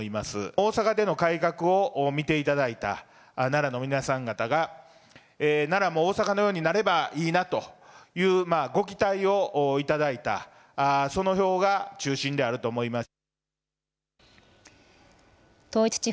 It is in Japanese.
大阪での改革を見ていただいた奈良の皆さん方が、奈良も大阪のようになればいいなという、ご期待を頂いた、その票が中心であると思います。